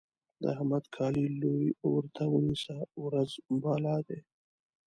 د احمد کالي لوی ورته ونيسه؛ ورځ بالا دی.